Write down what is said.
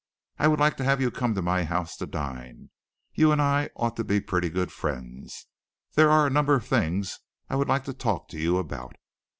I would like to have you come to my house to dine. You and I ought to be pretty good friends. There are a number of things I would like to talk to you about."